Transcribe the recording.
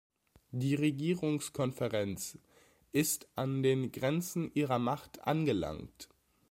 Die Regierungskonferenz ist an den Grenzen ihrer Macht angelangt.